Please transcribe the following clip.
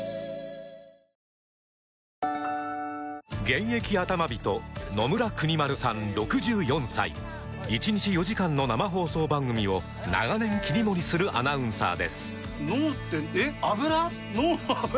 現役アタマ人野村邦丸さん６４歳１日４時間の生放送番組を長年切り盛りするアナウンサーです